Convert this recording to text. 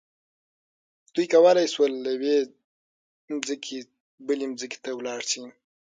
دوی کولی شول له یوې ځمکې بلې ته لاړ شي.